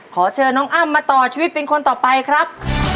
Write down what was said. ขอเชิญน้องอ้ำมาต่อชีวิตเป็นคนต่อไปครับ